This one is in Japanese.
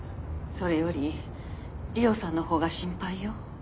それより理緒さんのほうが心配よ。